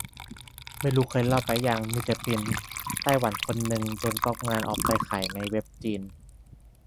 ไม่รู้เคยเล่าไปยัง มีศิลปินไต้หวันคนนึง โดนก็อปงานเอาไปขายในเว็บจีน